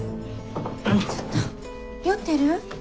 ちょっと酔ってる？